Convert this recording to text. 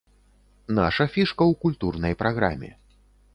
Наша фішка ў культурнай праграме.